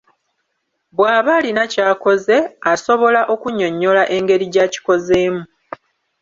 Bw'aba alina ky'akoze, asobola okunnyonnyola engeri gy'akikozemu.